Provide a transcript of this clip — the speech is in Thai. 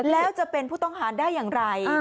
แล้วจะเป็นผู้ต้องหาได้อย่างไร